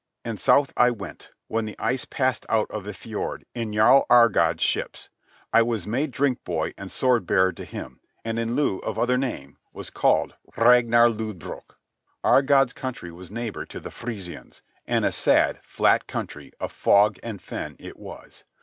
And south I went, when the ice passed out of the fjord, in Jarl Agard's ships. I was made drink boy and sword bearer to him, and in lieu of other name was called Ragnar Lodbrog. Agard's country was neighbour to the Frisians, and a sad, flat country of fog and fen it was.